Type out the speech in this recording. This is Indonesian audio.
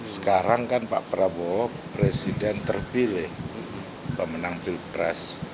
sekarang kan pak prabowo presiden terpilih pemenang pilpres